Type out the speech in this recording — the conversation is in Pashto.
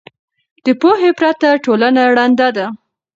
د پوهې پرته ټولنه ړنده ده.